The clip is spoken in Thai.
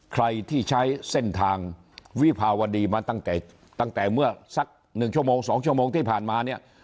ใครที่ใช้เส้นทางวิพาวดีมาตั้งแต่เมื่อสัก๑๒ชั่วโมงที่ผ่านมา